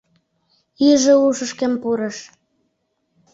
Иже ушышкем пурыш.